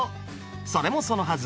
それもそのはず